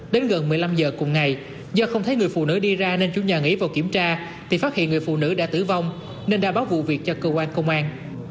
đến gần một mươi năm giờ cùng ngày do không thấy người phụ nữ đi ra nên chủ nhà nghỉ vào kiểm tra thì phát hiện người phụ nữ đã tử vong nên đã báo vụ việc cho cơ quan công an